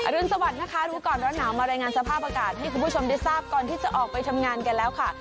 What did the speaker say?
รุนสวัสดิ์นะคะรู้ก่อนร้อนหนาวมารายงานสภาพอากาศให้คุณผู้ชมได้ทราบก่อนที่จะออกไปทำงานกันแล้วค่ะ